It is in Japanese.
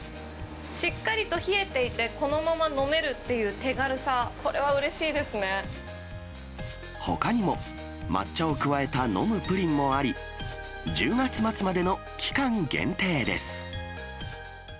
しっかりと冷えていて、このまま飲めるという手軽さ、ほかにも、抹茶を加えた飲むプリンもあり、１０月末までの期間限定です。